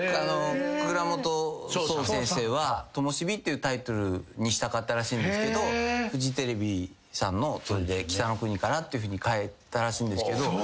倉本聰先生は「灯」っていうタイトルにしたかったらしいですがフジテレビさんのそれで『北の国から』っていうふうに変えたらしいんですけど。